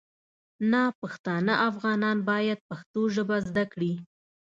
ناپښتانه افغانان باید پښتو ژبه زده کړي